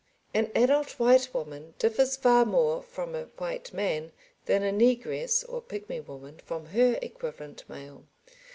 ] An adult white woman differs far more from a white man than a negress or pigmy woman from her equivalent male.